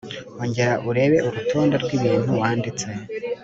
ongera urebe urutonde rw ibintu wanditse